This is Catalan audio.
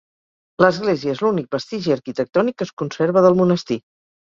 L'església és l'únic vestigi arquitectònic que es conserva del monestir.